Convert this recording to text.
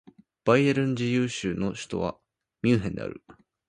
バイエルン自由州の州都はミュンヘンである